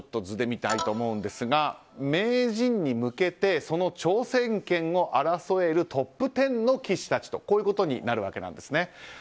図で見たいと思うんですが名人に向けてその挑戦権を争えるトップ１０の棋士たちとなるわけです。